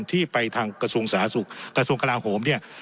ที่ไปทางกระทรวงสาธารณสุขกระทรวงกลาโหมเนี่ย